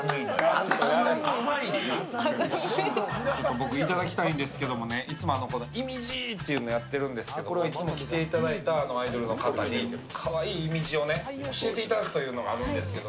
僕いただきたいんですけどいつもいみじってやってるんですけどいつも来ていただいたアイドルの方にかわいい「いみじ」を教えていただくというのがあるんですけど。